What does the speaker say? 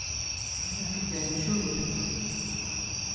If only I could gain true repentance."